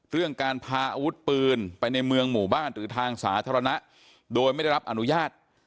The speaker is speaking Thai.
เรื่องการพาอาวุธปืนไปในเมืองหมู่บ้านหรือทางสาธารณะโดยไม่ได้รับอนุญาต